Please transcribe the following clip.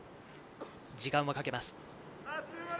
時間をかけます。